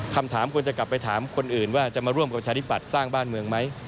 คำถามควรจะกลับไปถามคนอื่นว่าจะมาร่วมประชาธิปัตย์สร้างบ้านเมืองไหม